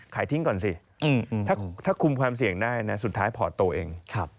ขายทิ้งก่อนสิถ้าคุมความเสี่ยงได้นะสุดท้ายพอดตัวเอง